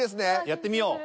やってみよう。